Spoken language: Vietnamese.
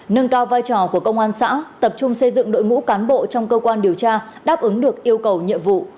nâng cao vai trò của công an xã tập trung xây dựng đội ngũ cán bộ trong cơ quan điều tra đáp ứng được yêu cầu nhiệm vụ